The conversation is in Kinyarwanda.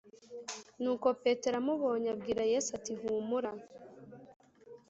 Nuko Petero amubonye abwira Yesu ati humura